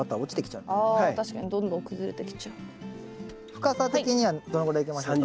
深さ的にはどのぐらいいきましょうか？